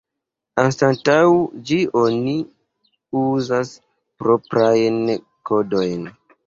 Anstataŭ ĝi oni uzas proprajn kodojn.